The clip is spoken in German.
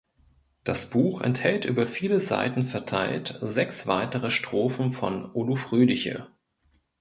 Das Buch enthält über viele Seiten verteilt sechs weitere Strophen von "O du fröhliche".